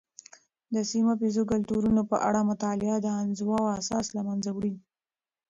د سيمه یيزو کلتورونو په اړه مطالعه، د انزوا احساس له منځه وړي.